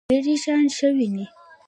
لرې شیان ښه وینئ؟